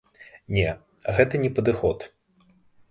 Не, гэта не падыход.